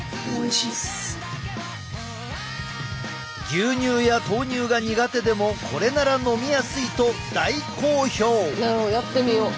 牛乳や豆乳が苦手でもこれなら飲みやすいと大好評！